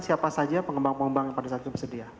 siapa saja pengembang pengembang yang pada saat itu bersedia